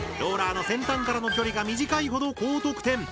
ローラーの先端からの距離が短いほど高得点！